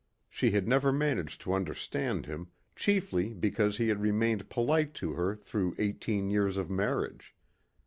She had never managed to understand him, chiefly because he had remained polite to her through eighteen years of marriage.